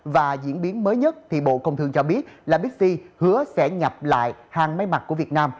và diễn biến mới nhất thì bộ công thương cho biết là bixi hứa sẽ nhập lại hàng mây mặt của việt nam